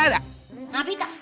nih di sebelah